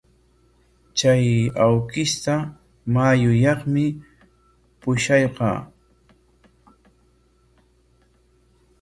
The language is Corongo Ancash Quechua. Chay awkishta mayuyaqmi pusharqaa.